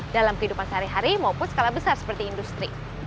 dalam kehidupan sehari hari maupun skala besar seperti industri